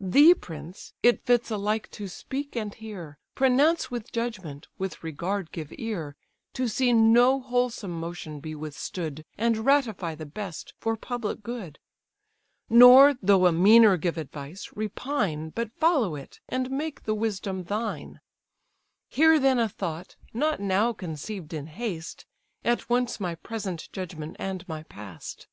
Thee, prince! it fits alike to speak and hear, Pronounce with judgment, with regard give ear, To see no wholesome motion be withstood, And ratify the best for public good. Nor, though a meaner give advice, repine, But follow it, and make the wisdom thine. Hear then a thought, not now conceived in haste, At once my present judgment and my past.